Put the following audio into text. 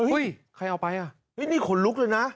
ใครเอาไปอ่ะนี่ขนลุกเลยนะ